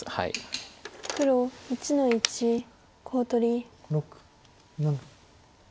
黒１の一コウ取り。